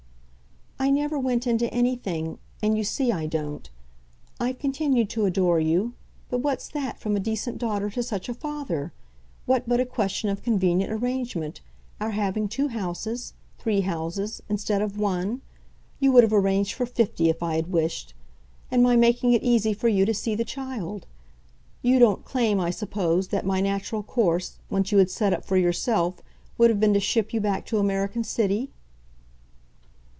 "I never went into anything, and you see I don't; I've continued to adore you but what's that, from a decent daughter to such a father? what but a question of convenient arrangement, our having two houses, three houses, instead of one (you would have arranged for fifty if I had wished!) and my making it easy for you to see the child? You don't claim, I suppose, that my natural course, once you had set up for yourself, would have been to ship you back to American City?"